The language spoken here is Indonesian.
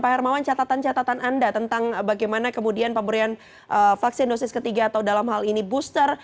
pak hermawan catatan catatan anda tentang bagaimana kemudian pemberian vaksin dosis ketiga atau dalam hal ini booster